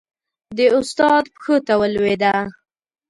د استاد پښو ته ولوېده.